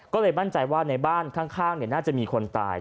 ก็เลยมั่นใจว่าในบ้านข้างน่าจะมีคนตาย